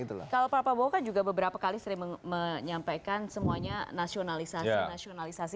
kalau pak prabowo kan juga beberapa kali sering menyampaikan semuanya nasionalisasi nasionalisasi